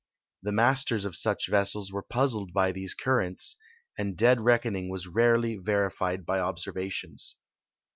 The masters of such vessels were puzzled b}^ these currents, and dead reckon ing was rarely verified by observations.